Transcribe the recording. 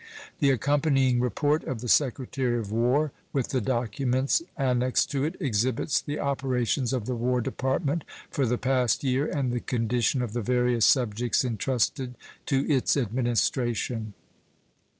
The accompanying report of the Secretary of War, with the documents annexed to it, exhibits the operations of the War Department for the past year and the condition of the various subjects intrusted to its administration.